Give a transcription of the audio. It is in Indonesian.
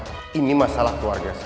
hora sudah ny portugal